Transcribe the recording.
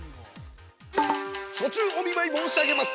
◆暑中お見舞い申し上げます。